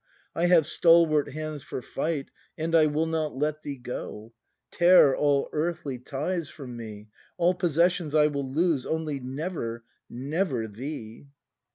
I have stalwart hands for fight, And I will not let thee go! Tear all earthly ties from me. All possessions I will lose, Only never, never thee!